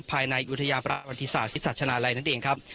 ภายในอยุธยาประวัติศาสตร์ศิษย์ศาสตร์ชนะไร้นั่นเองครับ